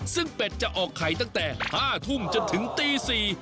ซึ่งเป็ดจะออกไข่ตั้งแต่๕ทุ่มจนถึงตี๔